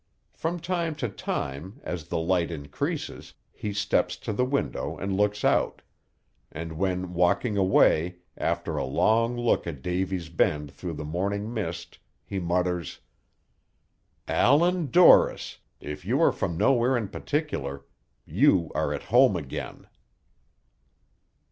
From time to time, as the light increases, he steps to the window and looks out; and when walking away, after a long look at Davy's Bend through the morning mist, he mutters: "Allan Dorris, if you are from Nowhere in Particular, you are at home again."